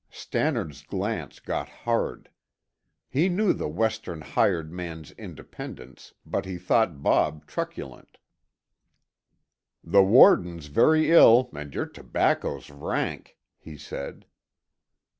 Stannard's glance got hard. He knew the Western hired man's independence, but he thought Bob truculent. "The warden's very ill and your tobacco's rank," he said.